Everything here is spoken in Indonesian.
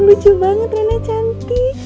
lucu banget reina cantik